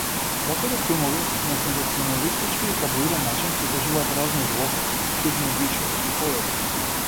Ваквите филмови на сензационалистички и таблоиден начин прикажуваат разни злосторства, чудни обичаи и појави.